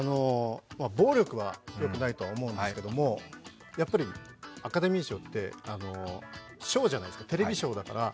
暴力はよくないとは思うんですけど、やっぱりアカデミー賞って、ショーじゃないですか、テレビショー。